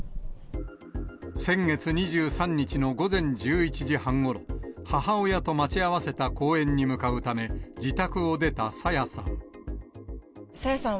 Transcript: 先月２３日の午前１１時半ごろ、母親と待ち合わせた公園に向かうため、自宅を出た朝芽さん。